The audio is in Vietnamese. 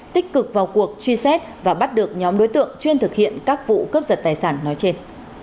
tích cực vào cuộc truy xét và bắt được nhóm đối tượng chuyên thực hiện các vụ cướp giật tài sản nói trên